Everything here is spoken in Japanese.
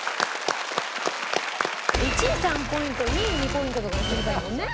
１位３ポイント２位２ポイントとかにすればいいのにね。